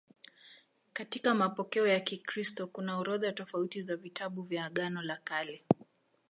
Katika mapokeo ya Kikristo kuna orodha tofauti za vitabu vya Agano la Kale.